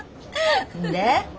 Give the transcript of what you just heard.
で？